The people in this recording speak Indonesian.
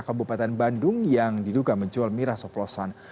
kabupaten bandung yang diduga menjual miras oplosan